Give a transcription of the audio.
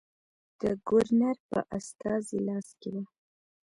د ګورنر په استازي لاس کې وه.